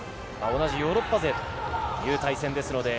同じヨーロッパ勢という対戦ですので。